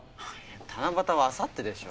七夕はあさってでしょ？